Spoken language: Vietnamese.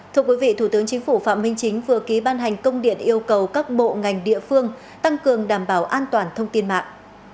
thưa quý vị thủ tướng chính phủ phạm minh chính vừa ký ban hành công điện yêu cầu các bộ ngành địa phương tăng cường đảm bảo an toàn thông tin mạng